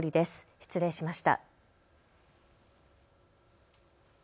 失礼しました。